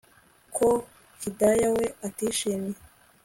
ko Hidaya we atishimye